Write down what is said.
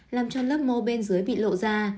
làm cho lớp mô bên dưới bị lộ ra